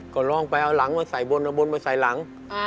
ก็ลองไปเอาหลังมาใส่บนเอาบนมาใส่หลัง